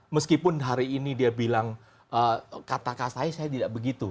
meskipun hari ini dia bilang kata kata saya saya tidak begitu